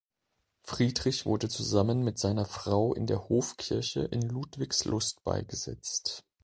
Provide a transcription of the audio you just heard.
Friedrich wurde zusammen mit seiner Frau in der Hofkirche in Ludwigslust beigesetzt.